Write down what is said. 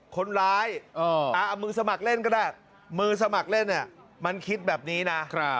คนร้ายเอามือสมัครเล่นก็ได้มือสมัครเล่นเนี่ยมันคิดแบบนี้นะ